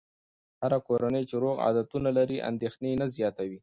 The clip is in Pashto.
هره کورنۍ چې روغ عادتونه لري، اندېښنې نه زیاتوي.